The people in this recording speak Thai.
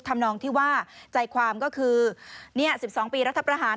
ทำนองที่ว่าใจความก็คือเนี่ยสิบสองปีรัฐพรหาร